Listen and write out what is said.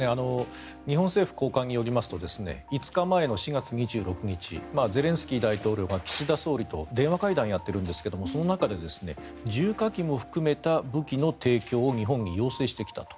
日本政府高官によりますと５日前の４月２６日ゼレンスキー大統領が岸田総理と電話会談をやってるんですがその中で重火器も含めた武器の提供を日本に要請してきたと。